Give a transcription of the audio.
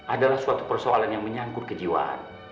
adalah suatu persoalan yang menyangkut kejiwaan